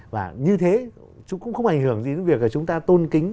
và như thế cũng không ảnh hưởng gì đến việc chúng ta tôn kính